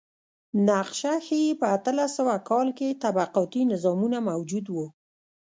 نقشه ښيي په اتلس سوه کال کې طبقاتي نظامونه موجود و.